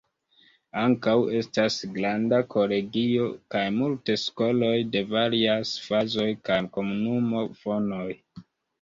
Ankaŭ, estas granda kolegio, kaj multe skoloj de varias fazoj kaj komunumo fonoj.